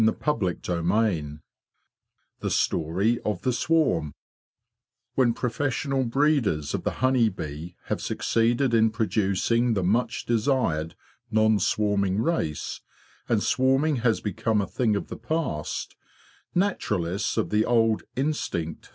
CHAPTER XVIII THE STORY OF THE SWARM W HEN professional breeders of the honey bee have succeeded in producing the much desired non swarming race, and swarming has become a thing of the past, naturalists of the old "instinct '?